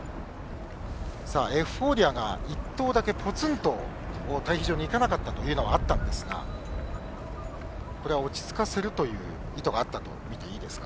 エフフォーリアが１頭だけ、ぽつんと待避所に行かなかったというのはあったんですがこれは落ち着かせるという意図があったとみていいですか？